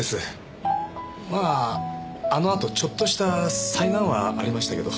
まああのあとちょっとした災難はありましたけど。